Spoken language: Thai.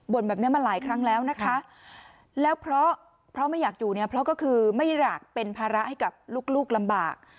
แบบนี้มาหลายครั้งแล้วนะคะแล้วเพราะไม่อยากอยู่เนี่ยเพราะก็คือไม่อยากเป็นภาระให้กับลูกลำบาก